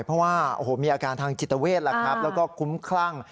เพราะว่ามีอาการทางจิตเวทแล้วก็กุ้มคลั่ง